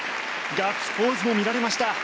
ガッツポーズも見られました。